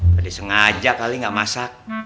tak disengaja kali gak masak